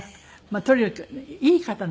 とにかくいい方なの。